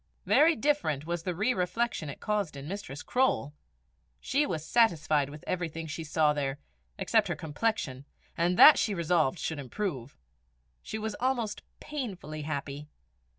Very different was the re reflection it caused in Mistress Croale: she was satisfied with everything she saw there, except her complexion, and that she resolved should improve. She was almost painfully happy.